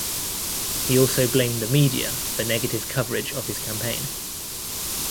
He also blamed the media for negative coverage of his campaign.